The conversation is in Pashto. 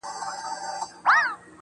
• څه رنګه سپوږمۍ ده له څراغه يې رڼا وړې.